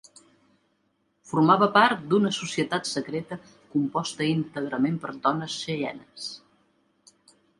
Formava part d'una societat secreta composta íntegrament per dones xeienes.